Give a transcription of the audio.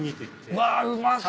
うわうまそ。